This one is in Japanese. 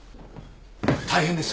大変です！